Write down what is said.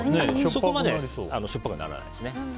そこまでしょっぱくならないです。